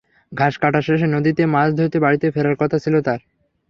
ঘাস কাটা শেষে নদীতে মাছ ধরে বাড়িতে ফেরার কথা ছিল তাঁর।